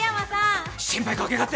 心配かけやがって。